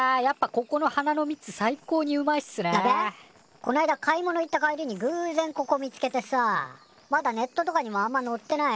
こないだ買い物行った帰りにぐう然ここ見つけてさまだネットとかにもあんまのってない